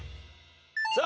さあ